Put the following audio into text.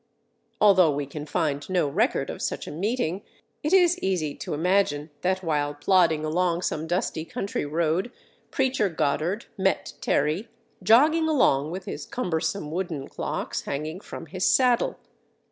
Although we can find no record of such a meeting, it is easy to imagine that while plodding along some dusty country road Preacher Goddard met Terry jogging along with his cumbersome wooden clocks hanging from his saddle.